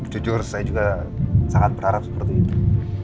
jujur saya juga sangat berharap seperti itu